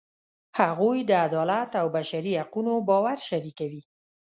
هغوی د عدالت او بشري حقونو باور شریکوي.